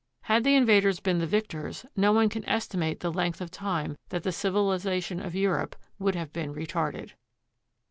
Had the] invaders been the victors, no one can estimate the length] of time that the civilization of Europe would have beery retarded.